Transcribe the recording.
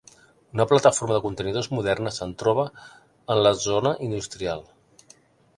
Una plataforma de contenidors moderna se'n troba en la zona industrial.